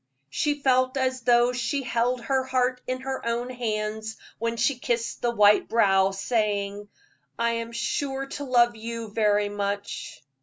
She felt as though she held her heart in her own hands when she kissed the white brow, saying: "I am sure to love you very much."